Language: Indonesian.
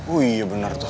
oh iya benar tuh